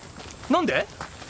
何で！？